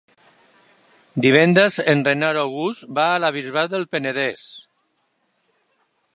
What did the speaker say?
Divendres en Renat August va a la Bisbal del Penedès.